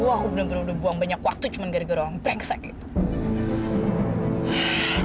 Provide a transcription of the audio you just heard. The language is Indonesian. aku benar benar udah buang banyak waktu cuma gara gara orang brengsek itu